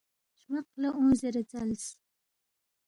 ہرمق لہ اونگ زیرے ژَلس